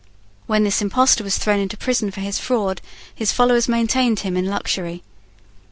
When this impostor was thrown into prison for his fraud, his followers maintained him in luxury.